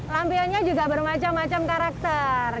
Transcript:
lampionnya juga bermacam macam karakter